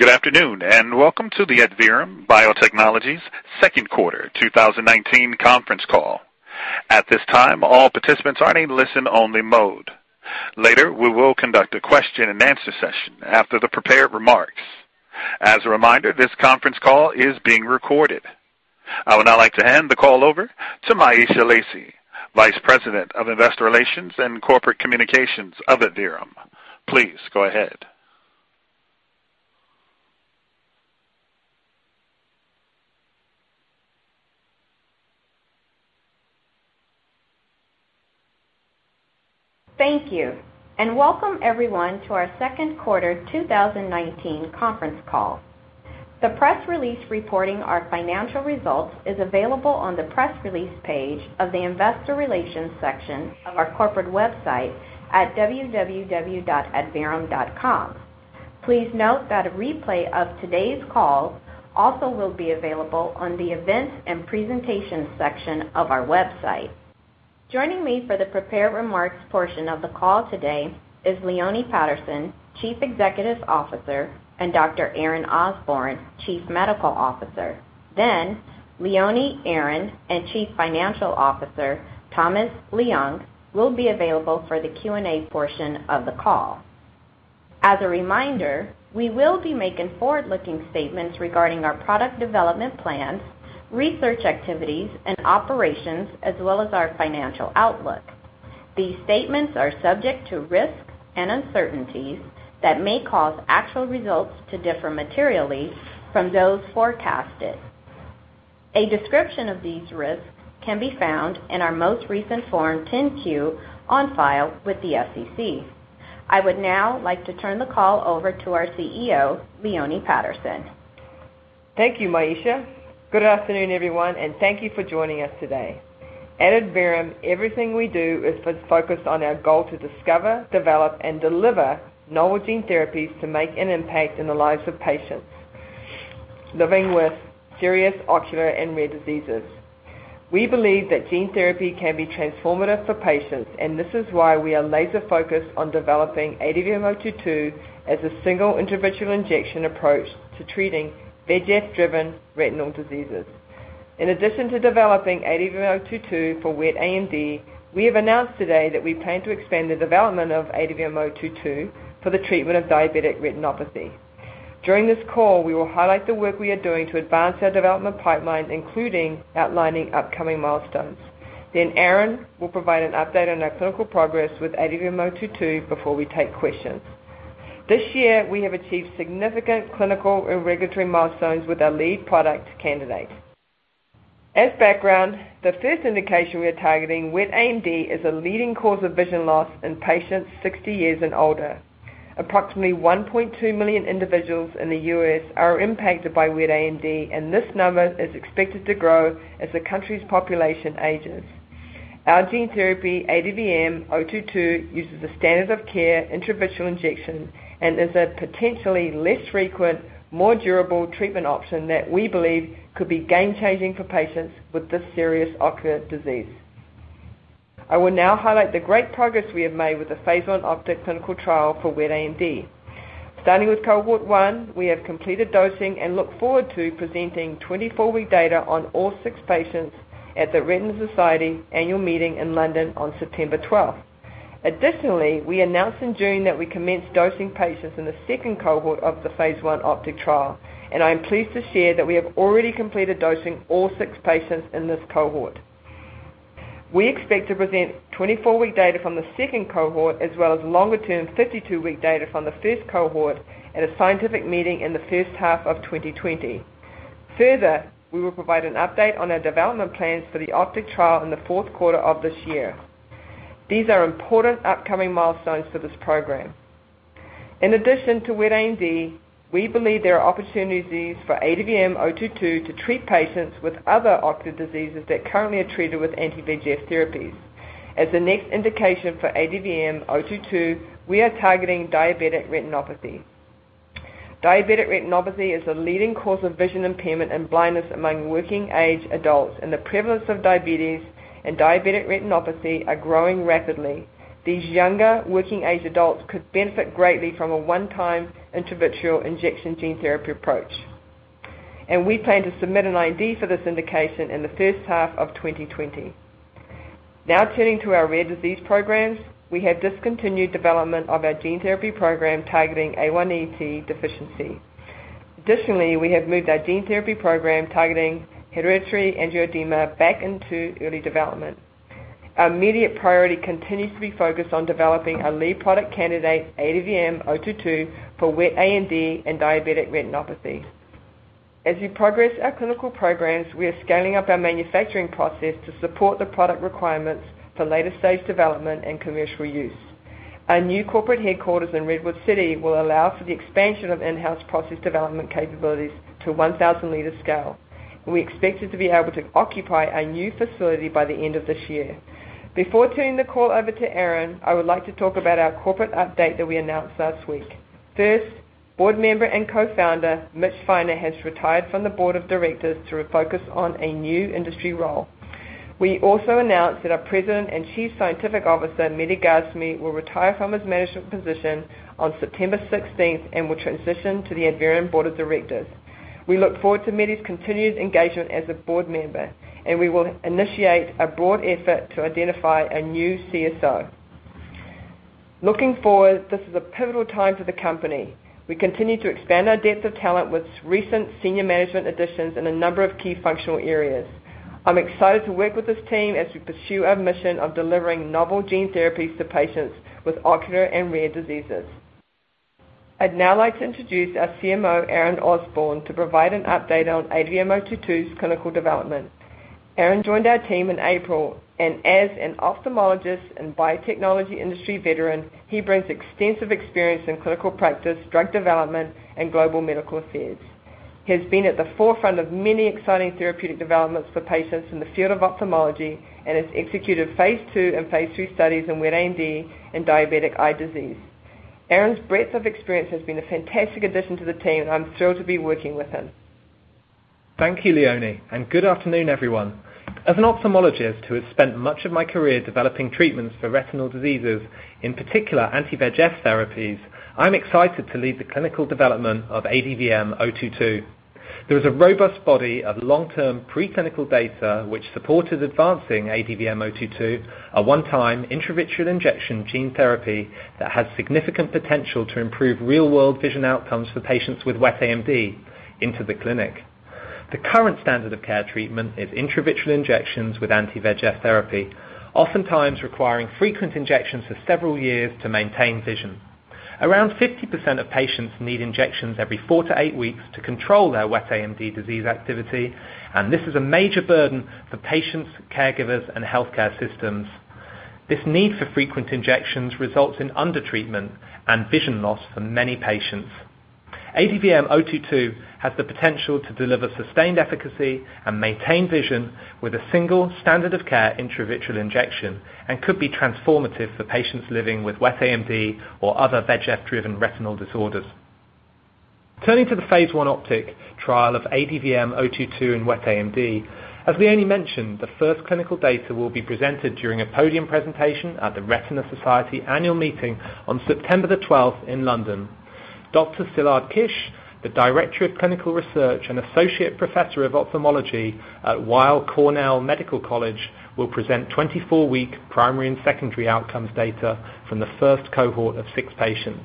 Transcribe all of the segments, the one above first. Good afternoon, welcome to the Adverum Biotechnologies second quarter 2019 conference call. At this time, all participants are in listen only mode. Later, we will conduct a question and answer session after the prepared remarks. As a reminder, this conference call is being recorded. I would now like to hand the call over to Myesha Lacy, Vice President of Investor Relations and Corporate Communications of Adverum. Please go ahead. Thank you, and welcome everyone to our second quarter 2019 conference call. The press release reporting our financial results is available on the Press Release page of the Investor Relations section of our corporate website at www.adverum.com. Please note that a replay of today's call also will be available on the Events and Presentations section of our website. Joining me for the prepared remarks portion of the call today is Leone Patterson, Chief Executive Officer, and Dr. Aaron Osborne, Chief Medical Officer. Leone, Aaron, and Chief Financial Officer, Thomas Leung, will be available for the Q&A portion of the call. As a reminder, we will be making forward-looking statements regarding our product development plans, research activities and operations, as well as our financial outlook. These statements are subject to risk and uncertainties that may cause actual results to differ materially from those forecasted. A description of these risks can be found in our most recent Form 10-Q on file with the SEC. I would now like to turn the call over to our CEO, Leone Patterson. Thank you, Myesha. Good afternoon, everyone, thank you for joining us today. At Adverum, everything we do is focused on our goal to discover, develop, and deliver novel gene therapies to make an impact in the lives of patients living with serious ocular and rare diseases. We believe that gene therapy can be transformative for patients, this is why we are laser-focused on developing ADVM-022 as a single intravitreal injection approach to treating VEGF-driven retinal diseases. In addition to developing ADVM-022 for wet AMD, we have announced today that we plan to expand the development of ADVM-022 for the treatment of diabetic retinopathy. During this call, we will highlight the work we are doing to advance our development pipeline, including outlining upcoming milestones. Aaron will provide an update on our clinical progress with ADVM-022 before we take questions. This year, we have achieved significant clinical and regulatory milestones with our lead product candidate. As background, the first indication we are targeting, wet AMD, is a leading cause of vision loss in patients 60 years and older. Approximately 1.2 million individuals in the U.S. are impacted by wet AMD, and this number is expected to grow as the country's population ages. Our gene therapy, ADVM-022, uses the standard of care intravitreal injection and is a potentially less frequent, more durable treatment option that we believe could be game changing for patients with this serious ocular disease. I will now highlight the great progress we have made with the phase I OPTIC clinical trial for wet AMD. Starting with cohort 1, we have completed dosing and look forward to presenting 24-week data on all six patients at The Retina Society annual meeting in London on September 12th. Additionally, we announced in June that we commenced dosing patients in the second cohort of the Phase I OPTIC trial, and I am pleased to share that we have already completed dosing all 6 patients in this cohort. We expect to present 24-week data from the second cohort as well as longer-term 52-week data from the first cohort at a scientific meeting in the first half of 2020. We will provide an update on our development plans for the OPTIC trial in the fourth quarter of this year. These are important upcoming milestones for this program. In addition to wet AMD, we believe there are opportunities for ADVM-022 to treat patients with other ocular diseases that currently are treated with anti-VEGF therapies. As the next indication for ADVM-022, we are targeting diabetic retinopathy. Diabetic retinopathy is a leading cause of vision impairment and blindness among working age adults. The prevalence of diabetes and diabetic retinopathy are growing rapidly. These younger working age adults could benefit greatly from a one-time intravitreal injection gene therapy approach. We plan to submit an IND for this indication in the first half of 2020. Now turning to our rare disease programs. We have discontinued development of our gene therapy program targeting A1AT deficiency. Additionally, we have moved our gene therapy program targeting hereditary angioedema back into early development. Our immediate priority continues to be focused on developing our lead product candidate, ADVM-022, for wet AMD and diabetic retinopathy. As we progress our clinical programs, we are scaling up our manufacturing process to support the product requirements for later stage development and commercial use. Our new corporate headquarters in Redwood City will allow for the expansion of in-house process development capabilities to 1,000-liter scale. We expect to be able to occupy our new facility by the end of this year. Before turning the call over to Aaron, I would like to talk about our corporate update that we announced last week. First, board member and co-founder, Mitchell Finer, has retired from the board of directors to refocus on a new industry role. We also announced that our President and Chief Scientific Officer, Mehdi Gasmi, will retire from his management position on September 16th and will transition to the Adverum Board of Directors. We look forward to Mehdi's continued engagement as a board member, and we will initiate a broad effort to identify a new CSO. Looking forward, this is a pivotal time for the company. We continue to expand our depth of talent with recent senior management additions in a number of key functional areas. I'm excited to work with this team as we pursue our mission of delivering novel gene therapies to patients with ocular and rare diseases. I'd now like to introduce our CMO, Aaron Osborne, to provide an update on ADVM-022's clinical development. Aaron joined our team in April, and as an ophthalmologist and biotechnology industry veteran, he brings extensive experience in clinical practice, drug development, and global medical affairs. He has been at the forefront of many exciting therapeutic developments for patients in the field of ophthalmology and has executed phase II and phase III studies in wet AMD and diabetic retinopathy. Aaron's breadth of experience has been a fantastic addition to the team, and I'm thrilled to be working with him. Thank you, Leone, good afternoon, everyone. As an ophthalmologist who has spent much of my career developing treatments for retinal diseases, in particular anti-VEGF therapies, I'm excited to lead the clinical development of ADVM-022. There is a robust body of long-term preclinical data which supported advancing ADVM-022, a one-time intravitreal injection gene therapy that has significant potential to improve real-world vision outcomes for patients with wet AMD into the clinic. The current standard of care treatment is intravitreal injections with anti-VEGF therapy, oftentimes requiring frequent injections for several years to maintain vision. Around 50% of patients need injections every 4-8 weeks to control their wet AMD disease activity, this is a major burden for patients, caregivers, and healthcare systems. This need for frequent injections results in under-treatment and vision loss for many patients. ADVM-022 has the potential to deliver sustained efficacy and maintain vision with a single standard of care intravitreal injection and could be transformative for patients living with wet AMD or other VEGF-driven retinal disorders. Turning to the phase I OPTIC trial of ADVM-022 in wet AMD, as Leone mentioned, the first clinical data will be presented during a podium presentation at The Retina Society Annual Meeting on September 12th in London. Dr. Szilard Kiss, the Director of Clinical Research and Associate Professor of Ophthalmology at Weill Cornell Medical College, will present 24-week primary and secondary outcomes data from the first cohort of six patients.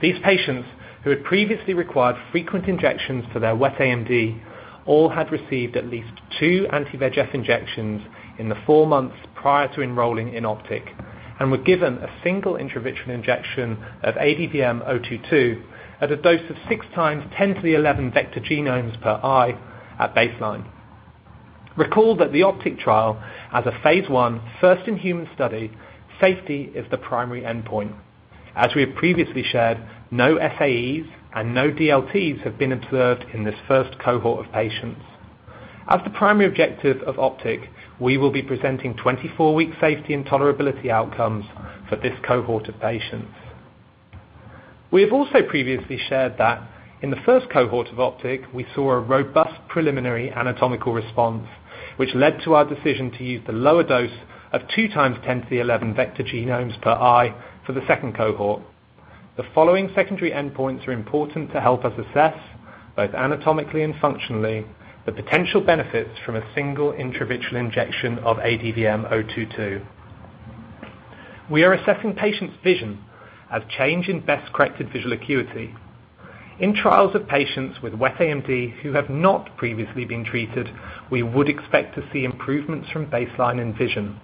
These patients, who had previously required frequent injections for their wet AMD, all had received at least two anti-VEGF injections in the four months prior to enrolling in OPTIC and were given a single intravitreal injection of ADVM-022 at a dose of six times 10 to the 11 vector genomes per eye at baseline. Recall that the OPTIC trial as a phase I first-in-human study, safety is the primary endpoint. As we have previously shared, no SAEs and no DLTs have been observed in this first cohort of patients. As the primary objective of OPTIC, we will be presenting 24-week safety and tolerability outcomes for this cohort of patients. We have also previously shared that in the first cohort of OPTIC, we saw a robust preliminary anatomical response, which led to our decision to use the lower dose of 2 times 10 to the 11 vector genomes per eye for the second cohort. The following secondary endpoints are important to help us assess, both anatomically and functionally, the potential benefits from a single intravitreal injection of ADVM-022. We are assessing patients' vision as change in best-corrected visual acuity. In trials of patients with wet AMD who have not previously been treated, we would expect to see improvements from baseline in vision.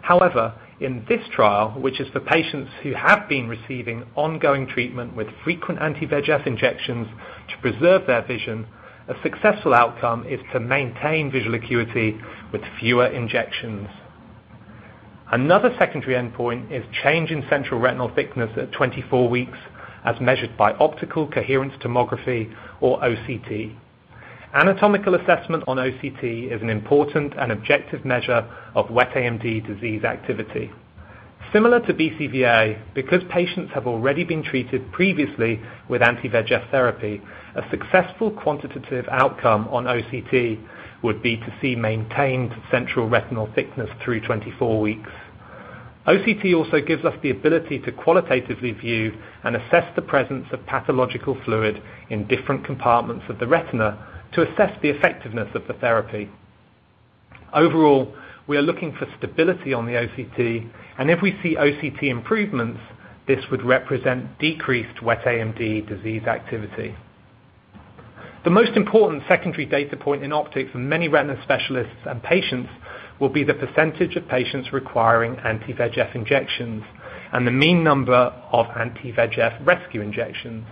However, in this trial, which is for patients who have been receiving ongoing treatment with frequent anti-VEGF injections to preserve their vision, a successful outcome is to maintain visual acuity with fewer injections. Another secondary endpoint is change in central retinal thickness at 24 weeks as measured by optical coherence tomography or OCT. Anatomical assessment on OCT is an important and objective measure of wet AMD disease activity. Similar to BCVA, because patients have already been treated previously with anti-VEGF therapy, a successful quantitative outcome on OCT would be to see maintained central retinal thickness through 24 weeks. OCT also gives us the ability to qualitatively view and assess the presence of pathological fluid in different compartments of the retina to assess the effectiveness of the therapy. Overall, we are looking for stability on the OCT, and if we see OCT improvements, this would represent decreased wet AMD disease activity. The most important secondary data point in OPTIC for many retina specialists and patients will be the % of patients requiring anti-VEGF injections and the mean number of anti-VEGF rescue injections.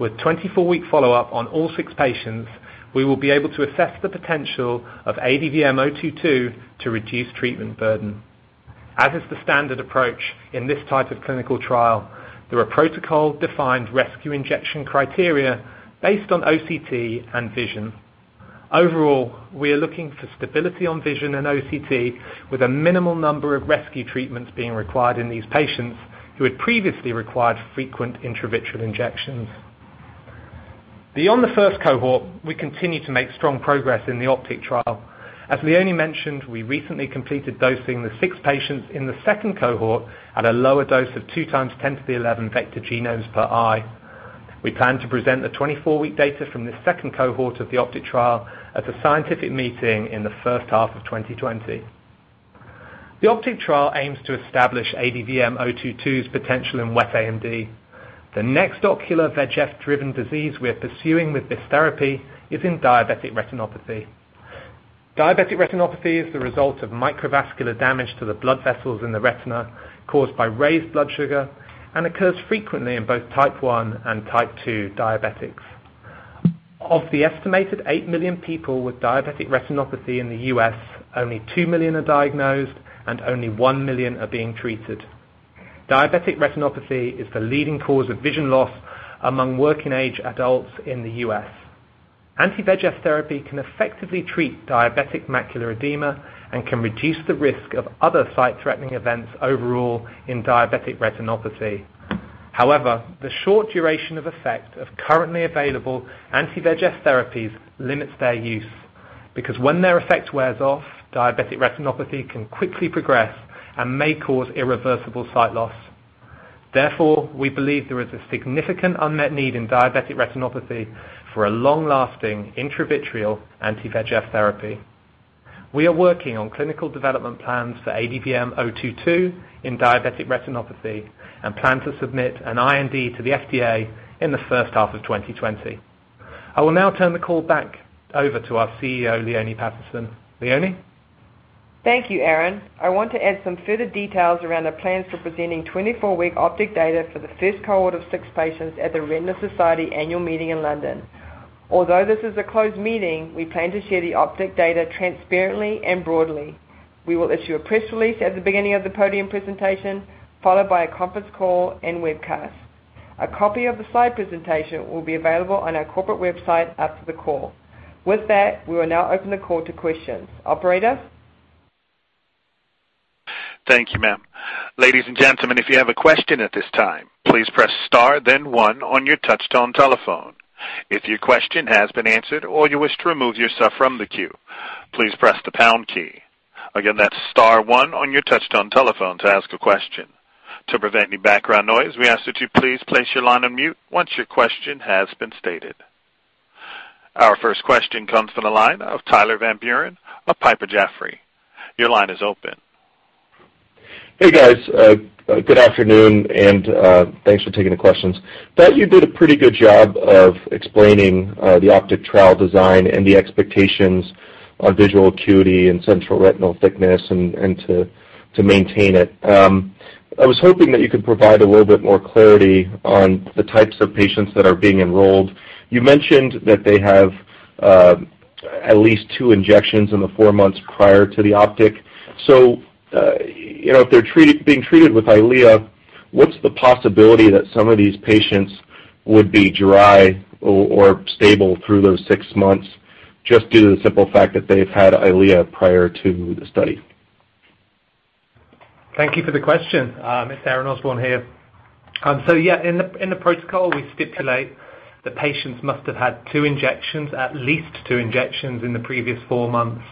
With 24-week follow-up on all six patients, we will be able to assess the potential of ADVM-022 to reduce treatment burden. As is the standard approach in this type of clinical trial, there are protocol-defined rescue injection criteria based on OCT and vision. Overall, we are looking for stability on vision and OCT with a minimal number of rescue treatments being required in these patients who had previously required frequent intravitreal injections. Beyond the first cohort, we continue to make strong progress in the OPTIC trial. As Leonie mentioned, we recently completed dosing the six patients in the second cohort at a lower dose of two times 10 to the 11th vector genomes per eye. We plan to present the 24-week data from this second cohort of the OPTIC trial at the scientific meeting in the first half of 2020. The OPTIC trial aims to establish ADVM-022's potential in wet AMD. The next ocular VEGF-driven disease we're pursuing with this therapy is in diabetic retinopathy. Diabetic retinopathy is the result of microvascular damage to the blood vessels in the retina caused by raised blood sugar and occurs frequently in both type 1 and type 2 diabetics. Of the estimated 8 million people with diabetic retinopathy in the U.S., only 2 million are diagnosed, and only 1 million are being treated. Diabetic retinopathy is the leading cause of vision loss among working-age adults in the U.S. Anti-VEGF therapy can effectively treat diabetic macular edema and can reduce the risk of other sight-threatening events overall in diabetic retinopathy. However, the short duration of effect of currently available anti-VEGF therapies limits their use, because when their effect wears off, diabetic retinopathy can quickly progress and may cause irreversible sight loss. We believe there is a significant unmet need in diabetic retinopathy for a long-lasting intravitreal anti-VEGF therapy. We are working on clinical development plans for ADVM-022 in diabetic retinopathy and plan to submit an IND to the FDA in the first half of 2020. I will now turn the call back over to our CEO, Leonie Patterson. Leonie? Thank you, Aaron. I want to add some further details around our plans for presenting 24-week OPTIC data for the first cohort of six patients at The Retina Society annual meeting in London. Although this is a closed meeting, we plan to share the OPTIC data transparently and broadly. We will issue a press release at the beginning of the podium presentation, followed by a conference call and webcast. A copy of the slide presentation will be available on our corporate website after the call. With that, we will now open the call to questions. Operator? Thank you, ma'am. Ladies and gentlemen, if you have a question at this time, please press star then one on your touchtone telephone. If your question has been answered or you wish to remove yourself from the queue, please press the pound key. Again, that's star one on your touchtone telephone to ask a question. To prevent any background noise, we ask that you please place your line on mute once your question has been stated. Our first question comes from the line of Tyler Van Buren of Piper Jaffray. Your line is open. Hey, guys. Good afternoon, and thanks for taking the questions. Thought you did a pretty good job of explaining the OPTIC trial design and the expectations on visual acuity and central retinal thickness, and to maintain it. I was hoping that you could provide a little bit more clarity on the types of patients that are being enrolled. You mentioned that they have at least two injections in the four months prior to the OPTIC. If they're being treated with EYLEA, what's the possibility that some of these patients would be dry or stable through those six months just due to the simple fact that they've had EYLEA prior to the study? Thank you for the question. It is Aaron Osborne here. Yeah, in the protocol, we stipulate that patients must have had two injections, at least two injections in the previous four months.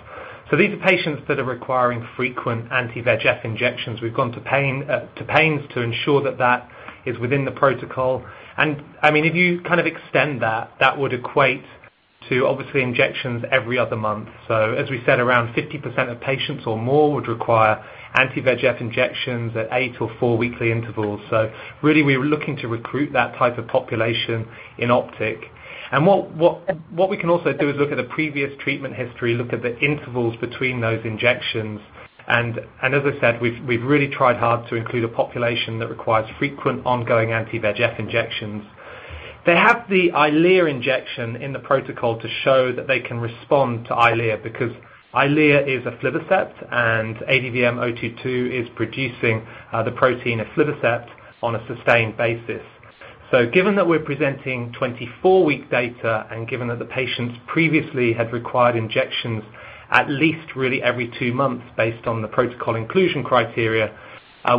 These are patients that are requiring frequent anti-VEGF injections. We've gone to pains to ensure that that is within the protocol. If you extend that would equate to obviously injections every other month. As we said, around 50% of patients or more would require anti-VEGF injections at eight or four-weekly intervals. Really, we are looking to recruit that type of population in OPTIC. What we can also do is look at a previous treatment history, look at the intervals between those injections. As I said, we've really tried hard to include a population that requires frequent ongoing anti-VEGF injections. They have the EYLEA injection in the protocol to show that they can respond to EYLEA, because EYLEA is aflibercept, and ADVM-022 is producing the protein, aflibercept, on a sustained basis. Given that we're presenting 24-week data and given that the patients previously had required injections at least really every two months based on the protocol inclusion criteria,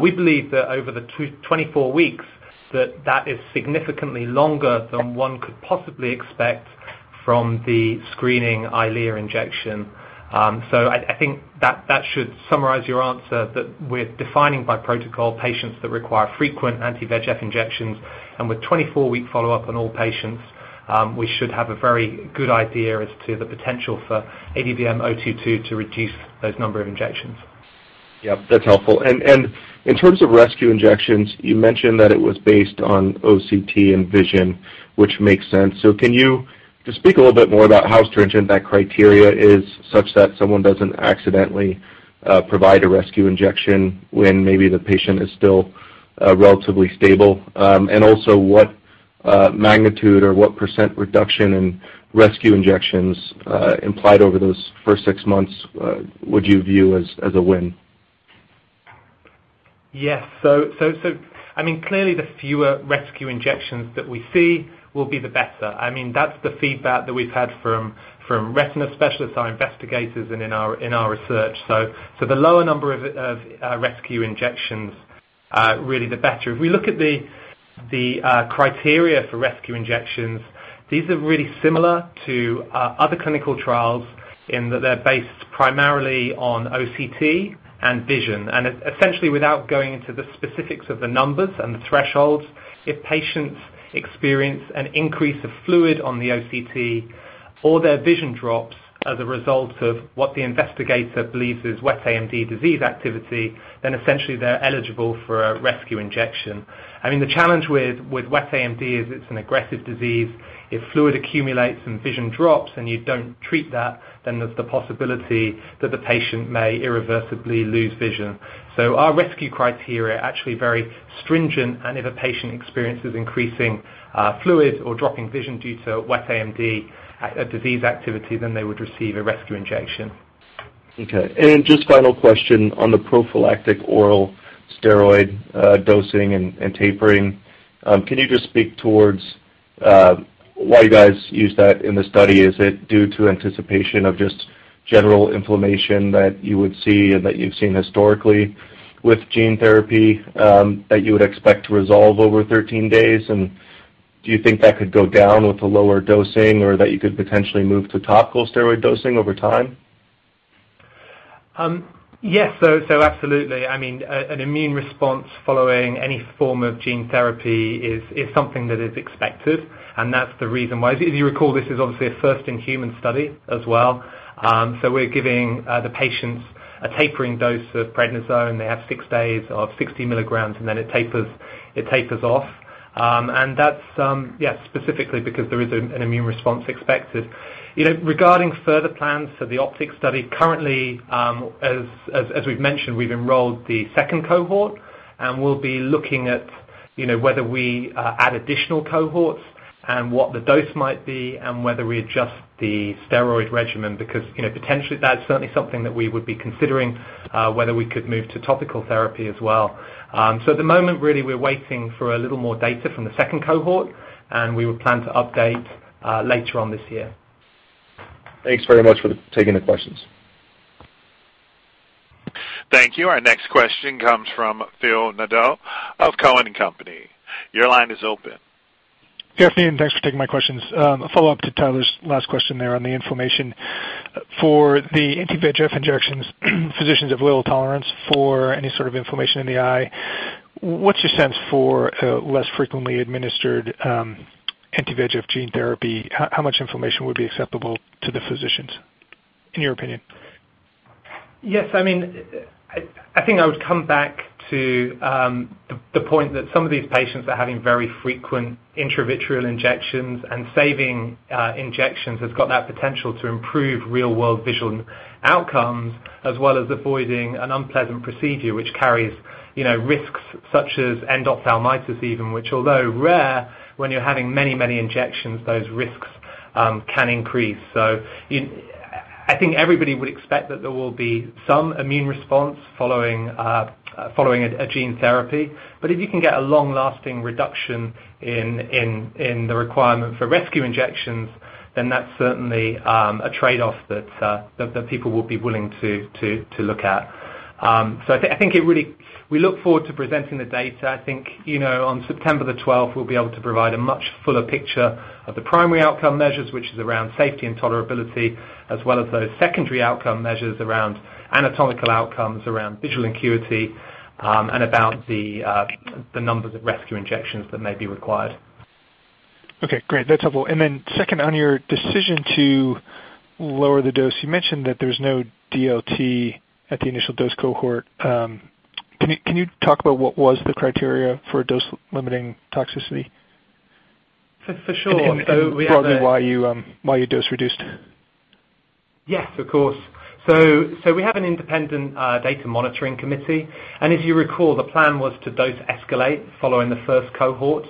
we believe that over the 24 weeks, that is significantly longer than one could possibly expect from the screening EYLEA injection. I think that should summarize your answer, that we're defining by protocol patients that require frequent anti-VEGF injections. With 24-week follow-up on all patients, we should have a very good idea as to the potential for ADVM-022 to reduce those number of injections. Yeah, that's helpful. In terms of rescue injections, you mentioned that it was based on OCT and vision, which makes sense. Can you just speak a little bit more about how stringent that criteria is such that someone doesn't accidentally provide a rescue injection when maybe the patient is still relatively stable? Also what magnitude or what % reduction in rescue injections implied over those first six months would you view as a win? Yes. Clearly the fewer rescue injections that we see will be the better. That's the feedback that we've had from retina specialists, our investigators, and in our research. The lower number of rescue injections, really the better. If we look at the criteria for rescue injections, these are really similar to other clinical trials in that they're based primarily on OCT and vision. Essentially, without going into the specifics of the numbers and the thresholds, if patients experience an increase of fluid on the OCT or their vision drops as a result of what the investigator believes is wet AMD disease activity, then essentially they're eligible for a rescue injection. The challenge with wet AMD is it's an aggressive disease. If fluid accumulates and vision drops and you don't treat that, then there's the possibility that the patient may irreversibly lose vision. Our rescue criteria are actually very stringent, and if a patient experiences increasing fluid or dropping vision due to wet AMD disease activity, then they would receive a rescue injection. Okay. Just final question on the prophylactic oral steroid dosing and tapering. Can you just speak towards why you guys used that in the study? Is it due to anticipation of just general inflammation that you would see and that you've seen historically with gene therapy, that you would expect to resolve over 13 days? Do you think that could go down with a lower dosing or that you could potentially move to topical steroid dosing over time? Yes, absolutely. An immune response following any form of gene therapy is something that is expected, and that's the reason why. If you recall, this is obviously a first-in-human study as well. We're giving the patients a tapering dose of prednisone. They have six days of 60 milligrams, then it tapers off. That's, yes, specifically because there is an immune response expected. Regarding further plans for the OPTIC study, currently, as we've mentioned, we've enrolled the second cohort, we'll be looking at whether we add additional cohorts, what the dose might be, whether we adjust the steroid regimen because potentially, that's certainly something that we would be considering, whether we could move to topical therapy as well. At the moment, really, we're waiting for a little more data from the second cohort, we would plan to update later on this year. Thanks very much for taking the questions. Thank you. Our next question comes from Philip Nadeau of Cowen and Company. Your line is open. Good afternoon. Thanks for taking my questions. A follow-up to Tyler's last question there on the inflammation. For the anti-VEGF injections, physicians have little tolerance for any sort of inflammation in the eye. What's your sense for less frequently administered anti-VEGF gene therapy? How much inflammation would be acceptable to the physicians, in your opinion? Yes, I think I would come back to the point that some of these patients are having very frequent intravitreal injections, saving injections has got that potential to improve real-world visual outcomes, as well as avoiding an unpleasant procedure, which carries risks such as endophthalmitis even, which, although rare, when you're having many, many injections, those risks can increase. I think everybody would expect that there will be some immune response following a gene therapy. If you can get a long-lasting reduction in the requirement for rescue injections, then that's certainly a trade-off that people will be willing to look at. I think we look forward to presenting the data. I think on September the 12th, we'll be able to provide a much fuller picture of the primary outcome measures, which is around safety and tolerability, as well as those secondary outcome measures around anatomical outcomes, around visual acuity, and about the numbers of rescue injections that may be required. Okay, great. That's helpful. Second, on your decision to lower the dose, you mentioned that there's no DLT at the initial dose cohort. Can you talk about what was the criteria for dose-limiting toxicity? For sure. Broadly why you dose reduced? Yes, of course. We have an independent data monitoring committee. If you recall, the plan was to dose escalate following the first cohort.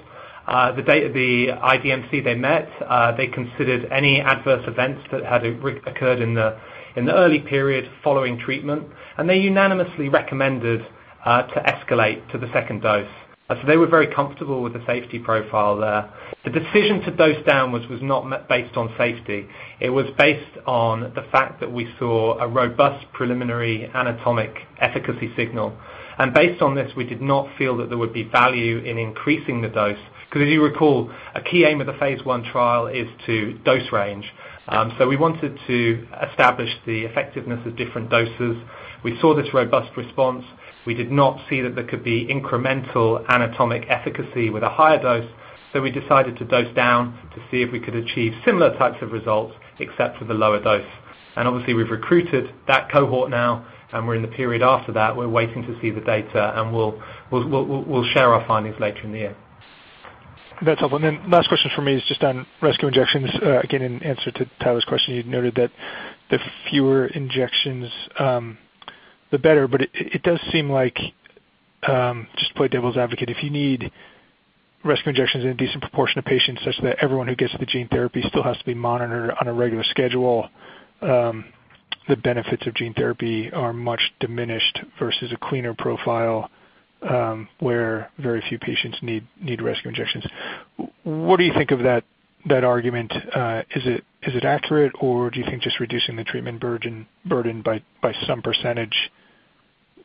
The IDMC they met, they considered any adverse events that had occurred in the early period following treatment, and they unanimously recommended to escalate to the second dose. They were very comfortable with the safety profile there. The decision to dose downwards was not based on safety. It was based on the fact that we saw a robust preliminary anatomic efficacy signal. Based on this, we did not feel that there would be value in increasing the dose, because as you recall, a key aim of the phase I trial is to dose range. We wanted to establish the effectiveness of different doses. We saw this robust response. We did not see that there could be incremental anatomic efficacy with a higher dose, so we decided to dose down to see if we could achieve similar types of results, except for the lower dose. Obviously, we've recruited that cohort now, and we're in the period after that. We're waiting to see the data, and we'll share our findings later in the year. That's helpful. Last question for me is just on rescue injections. Again, in answer to Tyler's question, you noted that the fewer injections, the better, but it does seem like, just to play devil's advocate, if you need rescue injections in a decent proportion of patients such that everyone who gets the gene therapy still has to be monitored on a regular schedule, the benefits of gene therapy are much diminished versus a cleaner profile, where very few patients need rescue injections. What do you think of that argument? Is it accurate, or do you think just reducing the treatment burden by some percentage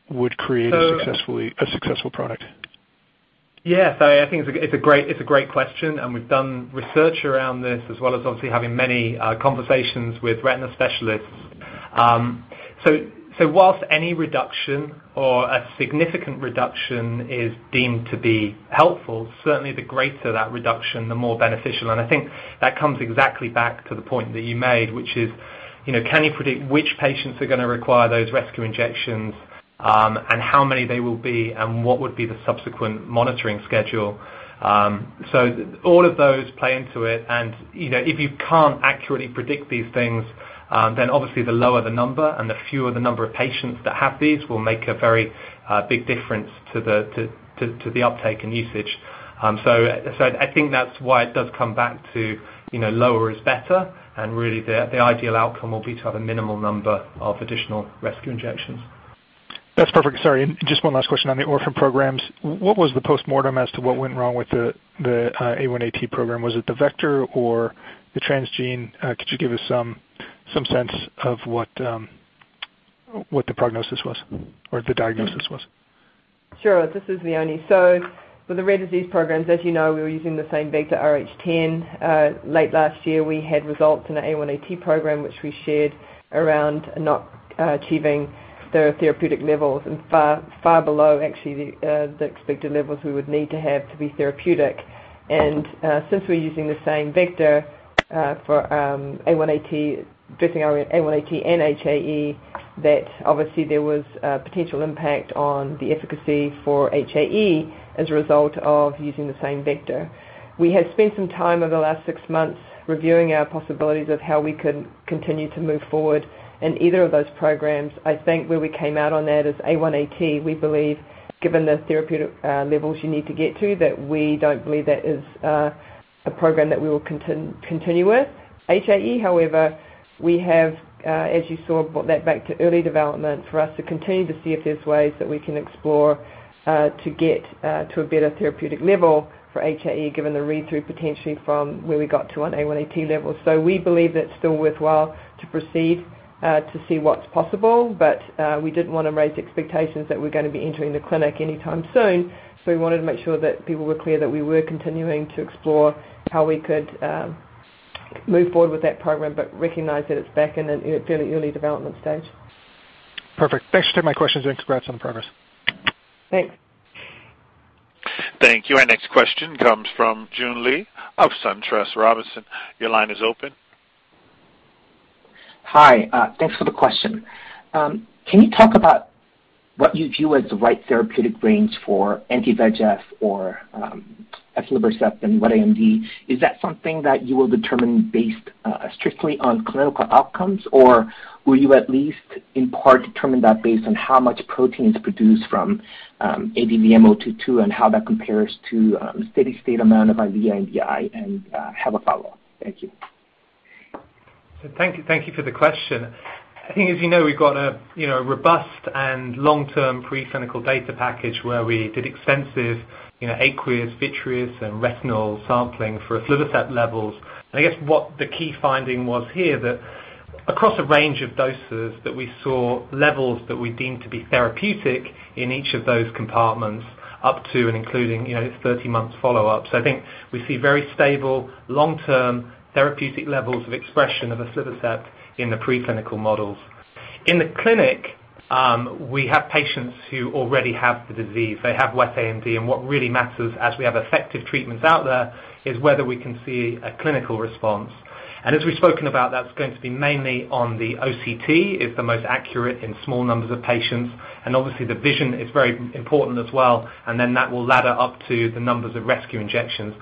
would create a successful product? Yeah. I think it's a great question, and we've done research around this as well as obviously having many conversations with retina specialists. Whilst any reduction or a significant reduction is deemed to be helpful, certainly the greater that reduction, the more beneficial. I think that comes exactly back to the point that you made, which is can you predict which patients are going to require those rescue injections, and how many they will be, and what would be the subsequent monitoring schedule? All of those play into it, and if you can't accurately predict these things, then obviously the lower the number and the fewer the number of patients that have these will make a very big difference to the uptake and usage. I think that's why it does come back to lower is better, and really, the ideal outcome will be to have a minimal number of additional rescue injections. That's perfect. Sorry, just one last question on the orphan programs. What was the postmortem as to what went wrong with the A1AT program? Was it the vector or the transgene? Could you give us some sense of what the prognosis was or the diagnosis was? Sure. This is Leone. For the rare disease programs, as you know, we were using the same vector, AAVrh10. Late last year, we had results in the A1AT program, which we shared around not achieving the therapeutic levels and far below actually the expected levels we would need to have to be therapeutic. Since we're using the same vector for A1AT, addressing A1AT and HAE, that obviously there was a potential impact on the efficacy for HAE as a result of using the same vector. We have spent some time over the last six months reviewing our possibilities of how we could continue to move forward in either of those programs. I think where we came out on that is A1AT, we believe given the therapeutic levels you need to get to, that we don't believe that is a program that we will continue with. HAE, however, we have, as you saw, brought that back to early development for us to continue to see if there's ways that we can explore to get to a better therapeutic level for HAE, given the read-through potentially from where we got to on A1AT levels. We believe that's still worthwhile to proceed to see what's possible, but we didn't want to raise expectations that we're going to be entering the clinic anytime soon. We wanted to make sure that people were clear that we were continuing to explore how we could move forward with that program but recognize that it's back in a fairly early development stage. Perfect. Thanks for taking my questions and congrats on the progress. Thanks. Thank you. Our next question comes from June Lee of SunTrust Robinson. Your line is open. Hi. Thanks for the question. Can you talk about what you view as the right therapeutic range for anti-VEGF or aflibercept and wet AMD? Is that something that you will determine based strictly on clinical outcomes, or will you at least in part determine that based on how much protein is produced from ADVM-022 and how that compares to steady state amount of IVT and VEGF? I have a follow-up. Thank you. Thank you for the question. I think as you know, we've got a robust and long-term preclinical data package where we did extensive aqueous, vitreous, and retinal sampling for aflibercept levels. I guess what the key finding was here that across a range of doses, that we saw levels that we deemed to be therapeutic in each of those compartments up to and including 30 months follow-ups. I think we see very stable, long-term therapeutic levels of expression of aflibercept in the preclinical models. In the clinic, we have patients who already have the disease. They have wet AMD, and what really matters as we have effective treatments out there is whether we can see a clinical response. As we've spoken about, that's going to be mainly on the OCT, is the most accurate in small numbers of patients, and obviously the vision is very important as well, and then that will ladder up to the numbers of rescue injections.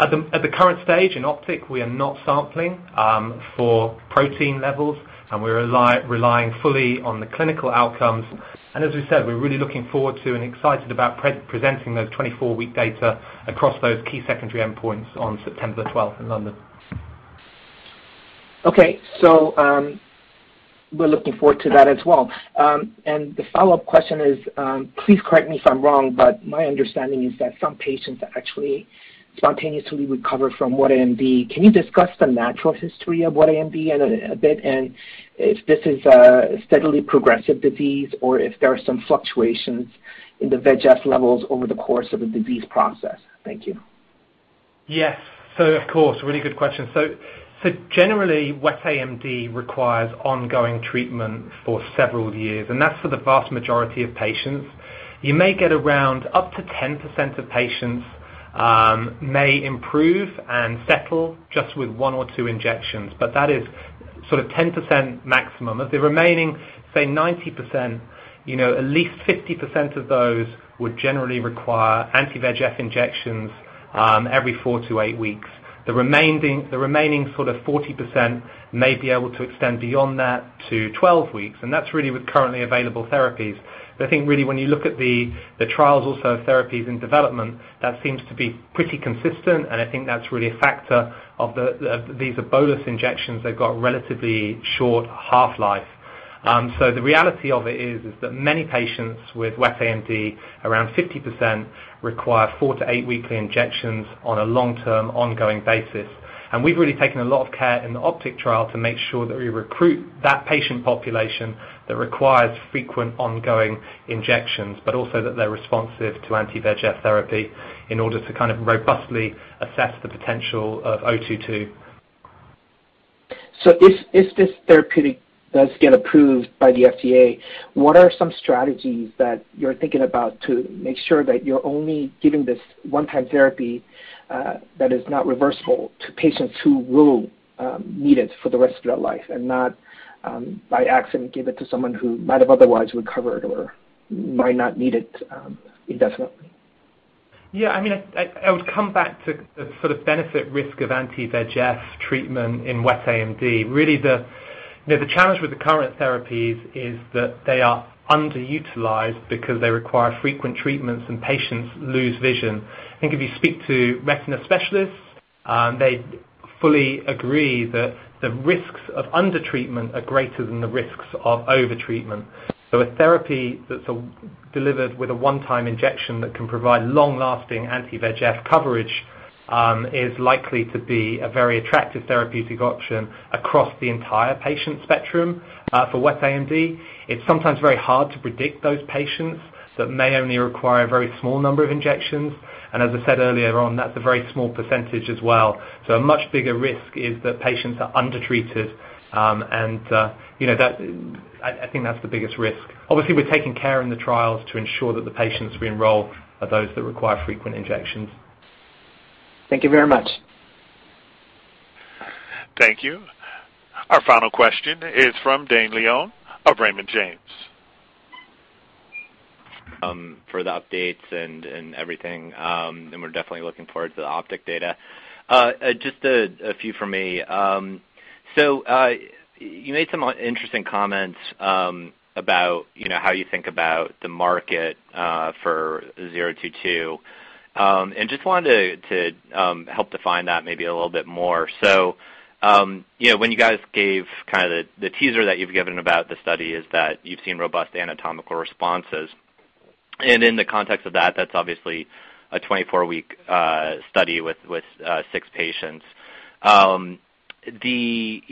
At the current stage, in OPTIC, we are not sampling for protein levels, and we're relying fully on the clinical outcomes. As we said, we're really looking forward to and excited about presenting those 24-week data across those key secondary endpoints on September the 12th in London. Okay. We're looking forward to that as well. The follow-up question is, please correct me if I'm wrong, but my understanding is that some patients actually spontaneously recover from wet AMD. Can you discuss the natural history of wet AMD a bit, and if this is a steadily progressive disease or if there are some fluctuations in the VEGF levels over the course of the disease process? Thank you. Yes. Of course, really good question. Generally, wet AMD requires ongoing treatment for several years, and that's for the vast majority of patients. You may get around up to 10% of patients may improve and settle just with one or two injections, but that is sort of 10% maximum. Of the remaining, say, 90%, at least 50% of those would generally require anti-VEGF injections every four to eight weeks. The remaining sort of 40% may be able to extend beyond that to 12 weeks, and that's really with currently available therapies. I think really when you look at the trials also of therapies in development, that seems to be pretty consistent, and I think that's really a factor of these are bolus injections. They've got a relatively short half-life. The reality of it is that many patients with wet AMD, around 50%, require four to eight weekly injections on a long-term, ongoing basis. We've really taken a lot of care in the OPTIC trial to make sure that we recruit that patient population that requires frequent ongoing injections, but also that they're responsive to anti-VEGF therapy in order to kind of robustly assess the potential of 022. If this therapeutic does get approved by the FDA, what are some strategies that you're thinking about to make sure that you're only giving this one-time therapy that is not reversible to patients who will need it for the rest of their life, and not by accident give it to someone who might have otherwise recovered or might not need it indefinitely? Yeah, I would come back to the sort of benefit-risk of anti-VEGF treatment in wet AMD. Really, the challenge with the current therapies is that they are underutilized because they require frequent treatments, and patients lose vision. I think if you speak to retina specialists, they fully agree that the risks of under-treatment are greater than the risks of over-treatment. A therapy that's delivered with a one-time injection that can provide long-lasting anti-VEGF coverage, is likely to be a very attractive therapeutic option across the entire patient spectrum. For wet AMD, it's sometimes very hard to predict those patients that may only require a very small number of injections. As I said earlier on, that's a very small % as well. A much bigger risk is that patients are under-treated, and I think that's the biggest risk. Obviously, we're taking care in the trials to ensure that the patients we enroll are those that require frequent injections. Thank you very much. Thank you. Our final question is from Dane Leone of Raymond James. For the updates and everything, we're definitely looking forward to the OPTIC data. Just a few from me. You made some interesting comments about how you think about the market for 022. Just wanted to help define that maybe a little bit more. When you guys gave, the teaser that you've given about the study is that you've seen robust anatomical responses. In the context of that's obviously a 24-week study with six patients. The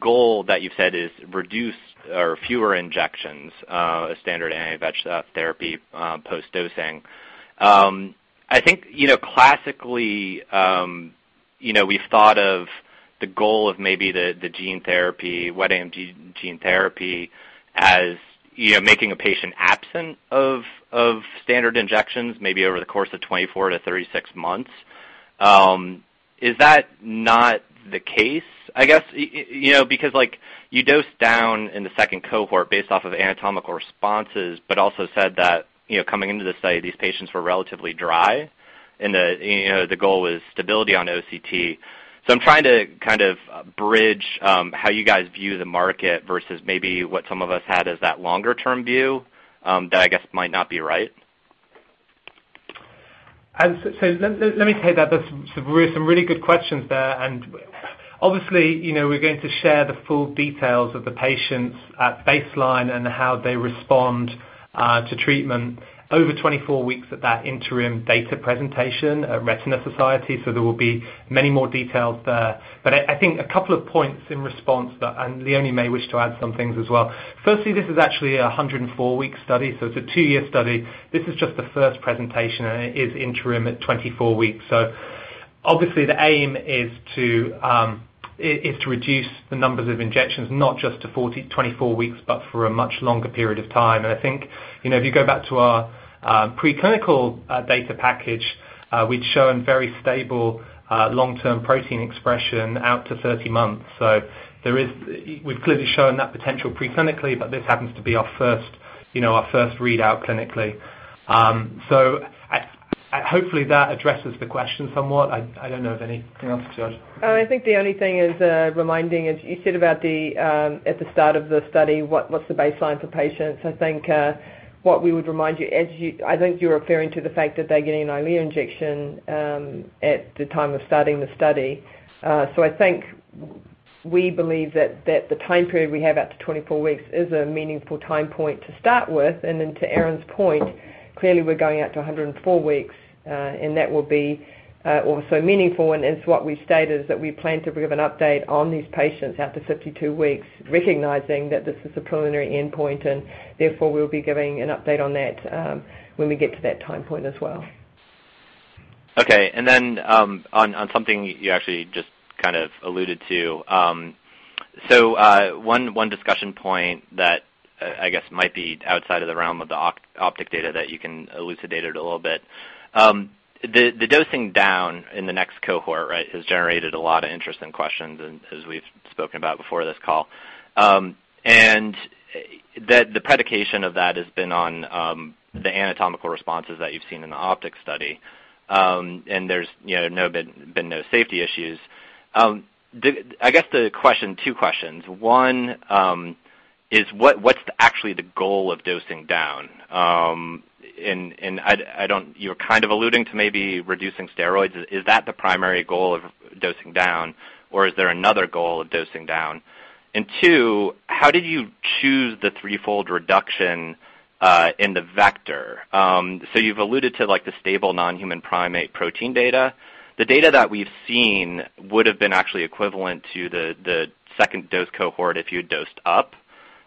goal that you've said is reduce or fewer injections, standard anti-VEGF therapy post-dosing. I think classically, we've thought of the goal of maybe the gene therapy, wet AMD gene therapy, as making a patient absent of standard injections maybe over the course of 24 to 36 months. Is that not the case? I guess, because you dosed down in the 2nd cohort based off of anatomical responses, but also said that coming into the study, these patients were relatively dry, and the goal was stability on OCT. I'm trying to bridge how you guys view the market versus maybe what some of us had as that longer-term view, that I guess might not be right. Let me take that. There's some really good questions there, and obviously, we're going to share the full details of the patients at baseline and how they respond to treatment over 24 weeks at that interim data presentation at Retina Society, so there will be many more details there. I think a couple of points in response to that, and Leone may wish to add some things as well. Firstly, this is actually a 104-week study. It's a two-year study. This is just the first presentation, and it is interim at 24 weeks. Obviously the aim is to reduce the numbers of injections, not just to 24 weeks, but for a much longer period of time. I think if you go back to our preclinical data package, we've shown very stable long-term protein expression out to 30 months. We've clearly shown that potential preclinically, but this happens to be our first readout clinically. Hopefully that addresses the question somewhat. I don't know of anything else, just. I think the only thing is reminding, as you said about at the start of the study, what's the baseline for patients? I think, what we would remind you, I think you're referring to the fact that they're getting an EYLEA injection at the time of starting the study. I think we believe that the time period we have out to 24 weeks is a meaningful time point to start with. To Aaron's point, clearly we're going out to 104 weeks, and that will be also meaningful. As what we've stated, that we plan to give an update on these patients out to 52 weeks, recognizing that this is a preliminary endpoint, and therefore, we'll be giving an update on that when we get to that time point as well. Okay. On something you actually just kind of alluded to. One discussion point that, I guess, might be outside of the realm of the OPTIC data that you can elucidate a little bit. The dosing down in the next cohort, has generated a lot of interest and questions as we've spoken about before this call. The predication of that has been on the anatomical responses that you've seen in the OPTIC study. There's been no safety issues. I guess the two questions. One is, what's actually the goal of dosing down? You're alluding to maybe reducing steroids. Is that the primary goal of dosing down, or is there another goal of dosing down? Two, how did you choose the threefold reduction in the vector? You've alluded to the stable non-human primate protein data. The data that we've seen would have been actually equivalent to the second dose cohort if you had dosed up.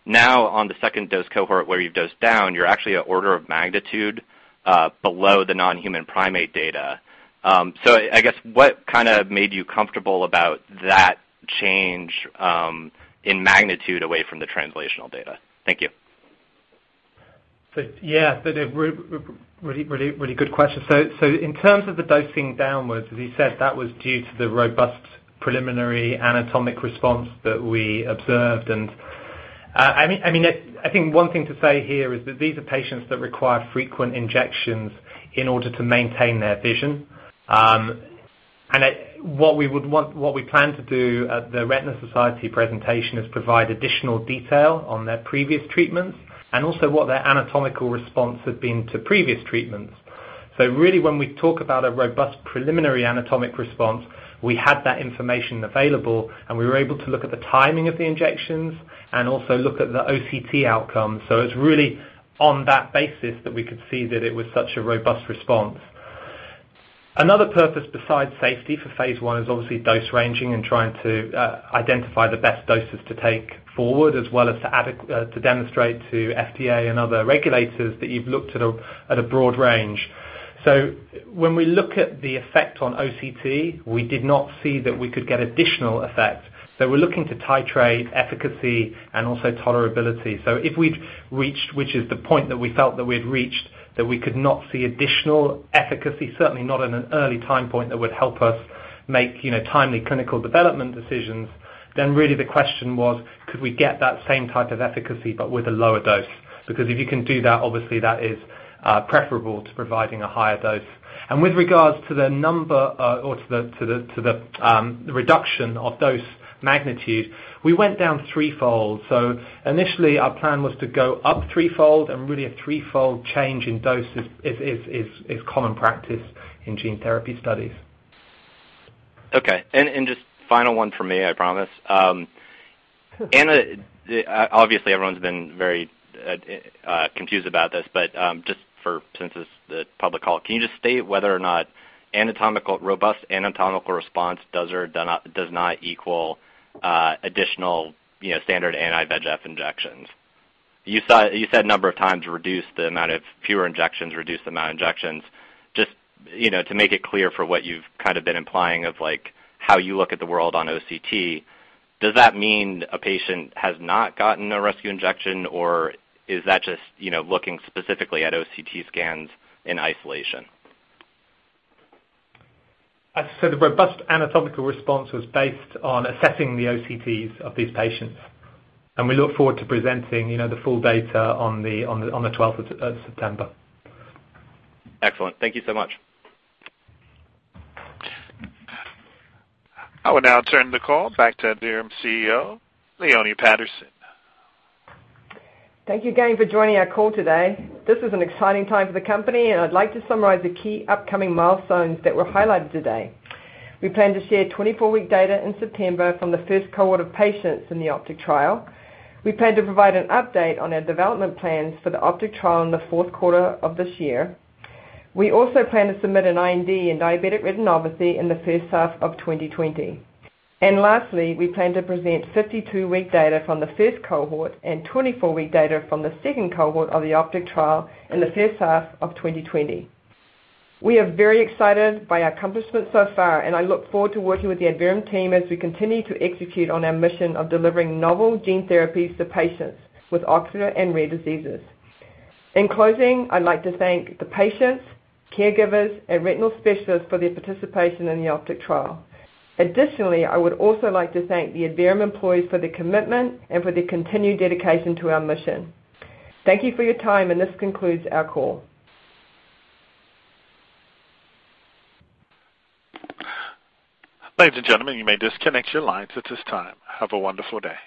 Now, on the second dose cohort where you've dosed down, you're actually an order of magnitude below the non-human primate data. I guess, what made you comfortable about that change in magnitude away from the translational data? Thank you. Really good question. In terms of the dosing downwards, as you said, that was due to the robust preliminary anatomic response that we observed. I think one thing to say here is that these are patients that require frequent injections in order to maintain their vision. What we plan to do at The Retina Society presentation is provide additional detail on their previous treatments and also what their anatomical response has been to previous treatments. Really, when we talk about a robust preliminary anatomic response, we had that information available, and we were able to look at the timing of the injections and also look at the OCT outcome. It's really on that basis that we could see that it was such a robust response. Another purpose besides safety for phase I is obviously dose ranging and trying to identify the best doses to take forward, as well as to demonstrate to FDA and other regulators that you've looked at a broad range. When we look at the effect on OCT, we did not see that we could get additional effect. We're looking to titrate efficacy and also tolerability. If we'd reached, which is the point that we felt that we had reached, that we could not see additional efficacy, certainly not at an early time point that would help us make timely clinical development decisions. Really the question was, could we get that same type of efficacy but with a lower dose? If you can do that, obviously that is preferable to providing a higher dose. With regards to the number or to the reduction of dose magnitude, we went down threefold. Initially, our plan was to go up threefold and really a threefold change in dose is common practice in gene therapy studies. Okay. Just final one from me, I promise. Obviously, everyone's been very confused about this, but just since it's the public call, can you just state whether or not robust anatomical response does or does not equal additional standard anti-VEGF injections? You said a number of times reduce the amount of fewer injections, reduce the amount of injections. Just to make it clear for what you've been implying of how you look at the world on OCT, does that mean a patient has not gotten a rescue injection, or is that just looking specifically at OCT scans in isolation? The robust anatomical response was based on assessing the OCTs of these patients. We look forward to presenting the full data on the 12th of September. Excellent. Thank you so much. I will now turn the call back to Adverum CEO, Leone Patterson. Thank you again for joining our call today. This is an exciting time for the company, and I'd like to summarize the key upcoming milestones that were highlighted today. We plan to share 24-week data in September from the first cohort of patients in the OPTIC trial. We plan to provide an update on our development plans for the OPTIC trial in the fourth quarter of this year. We also plan to submit an IND in diabetic retinopathy in the first half of 2020. Lastly, we plan to present 52-week data from the first cohort and 24-week data from the second cohort of the OPTIC trial in the first half of 2020. We are very excited by our accomplishments so far, and I look forward to working with the Adverum team as we continue to execute on our mission of delivering novel gene therapies to patients with ocular and rare diseases. In closing, I'd like to thank the patients, caregivers, and retinal specialists for their participation in the OPTIC trial. Additionally, I would also like to thank the Adverum employees for their commitment and for their continued dedication to our mission. Thank you for your time, and this concludes our call. Ladies and gentlemen, you may disconnect your lines at this time. Have a wonderful day.